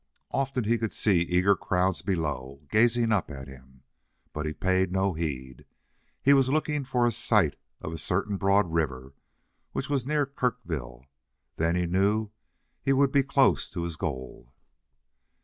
Often he could see eager crowds below, gazing up at him. But he paid no heed. He was looking for a sight of a certain broad river, which was near Kirkville. Then he knew he would be close to his goal.